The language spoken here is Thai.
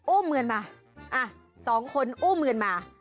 อุ้มเงินมาสองคนอุ้มเงินมา